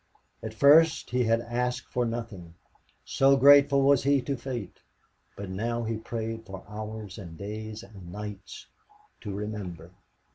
At first he had asked for nothing, so grateful was he to fate, but now he prayed for hours and days and nights to remember.